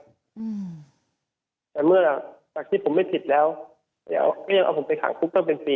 อืมแต่เมื่อจากที่ผมไม่ผิดแล้วเดี๋ยวก็ยังเอาผมไปขังคุกตั้งเป็นปี